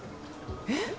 えっ？